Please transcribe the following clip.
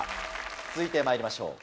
続いてまいりましょう。